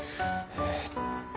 え。